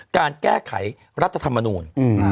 การแก้ไขรัฐธรรมนูล